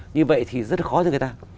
như vậy thì rất khó cho người ta